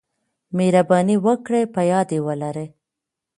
مهرباني وکړئ په یاد ولرئ: